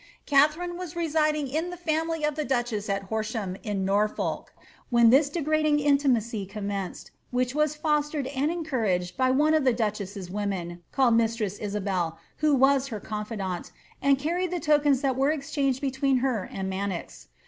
Katharine was residing in the &mily of the duchess at Horsham, in Norfolk, when this degrading intimacy commenced^ which was fostered and encouraged by one of the dochess's women, called mistress Isabel, who was her confidante, and carried the tokens that were exchanged between her and Manox.